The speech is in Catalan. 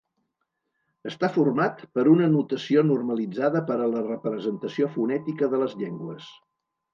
Està format per una notació normalitzada per a la representació fonètica de les llengües.